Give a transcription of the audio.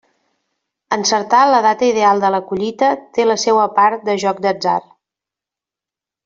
Encertar la data ideal de la collita té la seua part de joc d'atzar.